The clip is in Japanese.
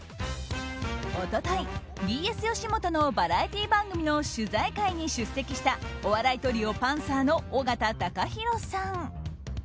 一昨日、ＢＳよしもとのバラエティー番組の取材会に出席したお笑いトリオ、パンサーの尾形貴弘さん。